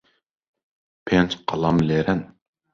پێنج قەڵەم لێرەن.